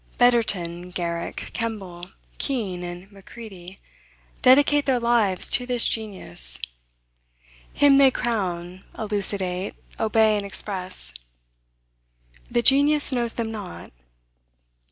Betterton, Garrick, Kemble, Kean, and Macready, dedicate their lives to this genius; him they crown, elucidate, obey, and express. The genius knows them not.